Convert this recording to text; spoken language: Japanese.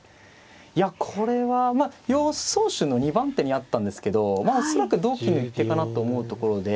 いやこれはまあ予想手の２番手にあったんですけどまあ恐らく同金の一手かなと思うところで。